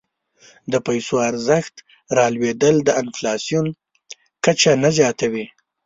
د پیسو ارزښت رالوېدل د انفلاسیون کچه نه زیاتوي.